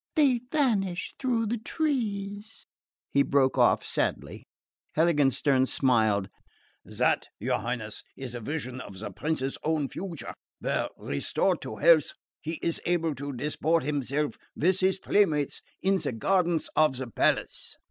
they vanish through the trees..." He broke off sadly. Heiligenstern smiled. "That, your Highness, is a vision of the prince's own future, when, restored to health, he is able to disport himself with his playmates in the gardens of the palace."